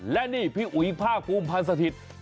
และนี่พี่อุ๋ยภาคภูมิพันธ์สถิตย์